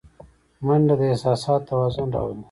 منډه د احساساتو توازن راولي